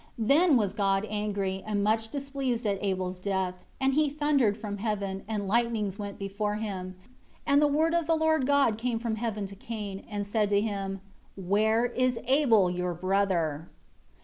16 Then was God angry, and much displeased at Abel's death; and He thundered from heaven, and lightnings went before Him, and the Word of the Lord God came from heaven to Cain, and said to him, "Where is Abel your brother?"